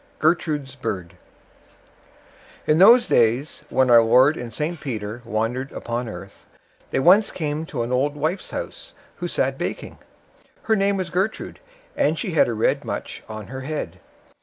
GERTRUDE'S BIRD In those days when our Lord and St Peter wandered upon earth, they came once to an old wife's house, who sat baking. Her name was Gertrude, and she had a red mutch on her head.